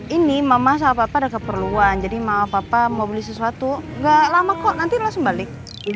ini mama sama papa ada keperluan jadi mama papa mau beli sesuatu nggak lama kok nanti langsung balik